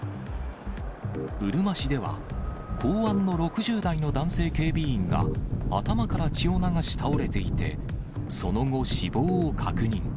うるま市では、港湾の６０代の男性警備員が、頭から血を流し倒れていて、その後、死亡を確認。